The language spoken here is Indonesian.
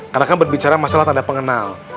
karena kan berbicara masalah tanda pengenal